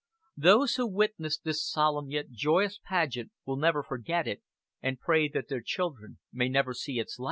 Those who witnessed the solemn yet joyous pageant will never forget it; and pray that their children may never see its like.